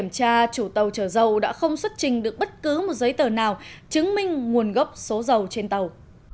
tàu đã không xuất trình được bất cứ một giấy tờ nào chứng minh nguồn gốc số dầu trên tàu